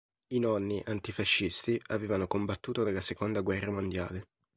I nonni, antifascisti, avevano combattuto nella seconda guerra mondiale.